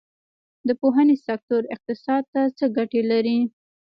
د پوهنې سکتور اقتصاد ته څه ګټه لري؟